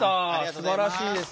すばらしいです。